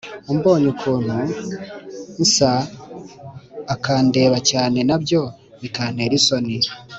umbonye ukuntu nsa akandeba cyane nabyo bikantera isoni